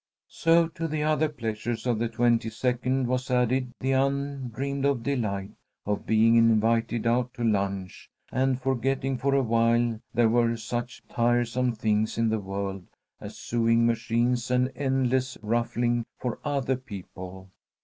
So to the other pleasures of the twenty second was added the undreamed of delight of being invited out to lunch, and forgetting for awhile that there were such tiresome things in the world as sewing machines and endless ruffling for other people.